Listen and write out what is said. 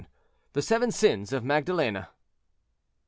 THE SEVEN SINS OF MAGDALENE.